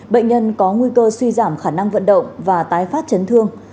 bệnh nhân có nguy cơ suy giảm khả năng vận động và tái phát chấn thương